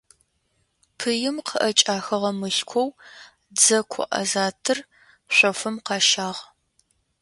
Пыим къыӏэкӏахыгъэ мылъкоу дзэ ку азатыр шъофым къащагъ.